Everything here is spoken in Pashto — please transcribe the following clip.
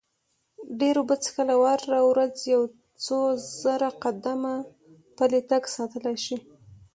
ډېرې اوبه څښل او هره ورځ یو څو زره قدمه پلی تګ ساتلی شي.